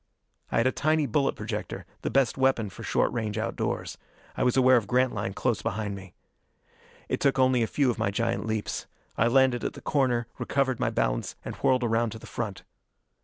I had a tiny bullet projector, the best weapon for short range outdoors. I was aware of Grantline close behind me. It took only a few of my giant leaps. I landed at the corner, recovered my balance, and whirled around to the front.